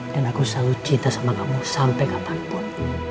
dan aku selalu cinta sama kamu sampai kapanpun